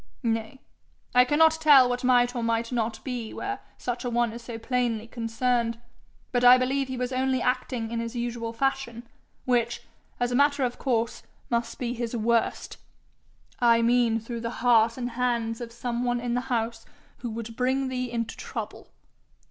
'Nay, I cannot tell what might or might not be where such a one is so plainly concerned. But I believe he was only acting in his usual fashion, which, as a matter of course, must be his worst I mean through the heart and hands of some one in the house who would bring thee into trouble.'